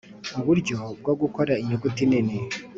Uburyo bwo gukora inyuguti nini